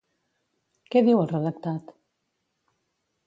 Què diu el redactat?